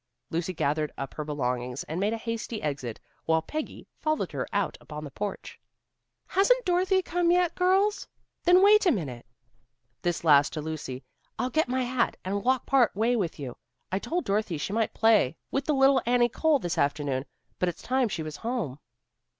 Lucy gathered up her belongings and made a hasty exit, while Peggy followed her out upon the porch. "Hasn't Dorothy come yet, girls? Then wait a minute." This last to Lucy. "I'll get my hat and walk part way with you. I told Dorothy she might play with little Annie Cole this afternoon but it's time she was home."